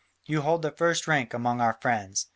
You hold the first rank among our friends.